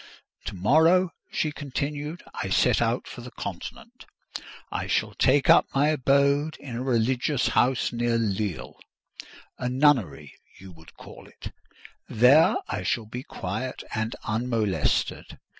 To morrow," she continued, "I set out for the Continent. I shall take up my abode in a religious house near Lisle—a nunnery you would call it; there I shall be quiet and unmolested.